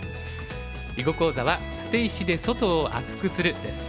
囲碁講座は「捨て石で外を厚くする」です。